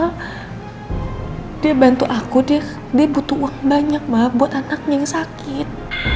hai dia bantu aku deh dia butuh uang banyak ma buat anaknya yang sakit